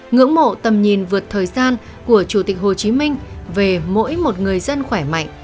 ngưỡng mộ tầm nhìn vượt thời gian của chủ tịch hồ chí minh về mỗi một người dân khỏe mạnh